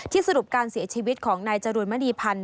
สรุปการเสียชีวิตของนายจรูนมณีพันธ